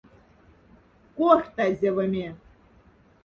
Корхтазевоме.